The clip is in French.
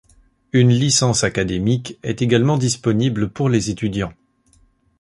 Une licence académique est également disponible pour les étudiants.